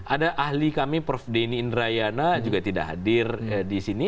ada ahli kami prof denny indrayana juga tidak hadir di sini